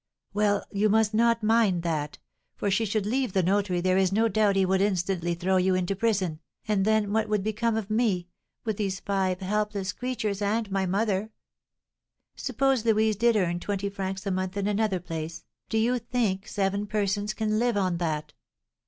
"Well, you must not mind that; for should she leave the notary, there is no doubt he would instantly throw you into prison, and then what would become of me, with these five helpless creatures and my mother? Suppose Louise did earn twenty francs a month in another place, do you think seven persons can live on that?"